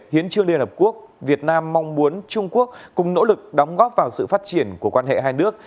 hiến trương liên hợp quốc việt nam mong muốn trung quốc cùng nỗ lực đóng góp vào sự phát triển của quan hệ hai nước